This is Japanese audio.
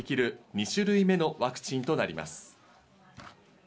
２種類目のワクチンとなります。